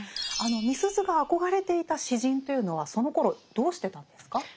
あのみすゞが憧れていた詩人というのはそのころどうしてたんですか？